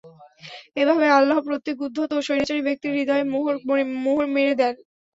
এভাবে আল্লাহ প্রত্যেক উদ্ধত ও স্বৈরাচারী ব্যক্তির হৃদয়ে মোহর মেরে দেন।